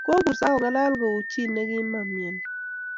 kakurso akongalal kouchi ne kamaimyani